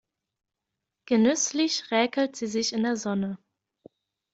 Genüsslich räkelt sie sich in der Sonne.